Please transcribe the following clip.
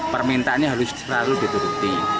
permintanya harus selalu dituruti